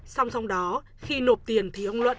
xong xong đó khi nộp tiền thì ông luận